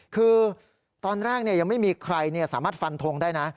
คือตอนแรกยังไม่มีใครสามารถฟันทงได้นะ